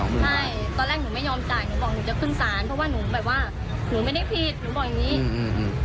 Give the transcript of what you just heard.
ใช่ตอนแรกหนูไม่ยอมจ่ายหนูบอกหนูจะขึ้นศาลเพราะว่าหนูแบบว่าหนูไม่ได้ผิดหนูบอกอย่างงี้อืม